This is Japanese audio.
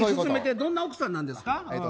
どんな奥さんですか？